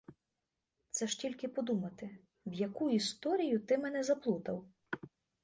Це ж тільки подумати, в яку історію ти мене заплутав!